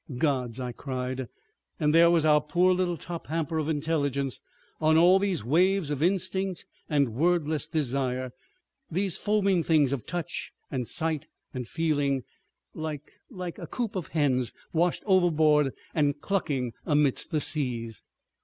"Gods!" I cried, "and there was our poor little top hamper of intelligence on all these waves of instinct and wordless desire, these foaming things of touch and sight and feeling, like—like a coop of hens washed overboard and clucking amidst the seas."